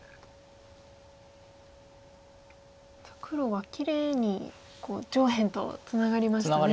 さあ黒はきれいに上辺とツナがりましたね。